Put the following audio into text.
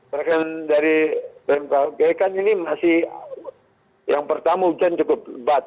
bahkan dari bmkg kan ini masih yang pertama hujan cukup lebat